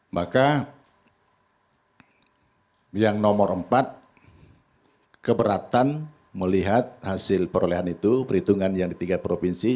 maka yang nomor empat keberatan melihat hasil perolehan itu perhitungan yang di tingkat provinsi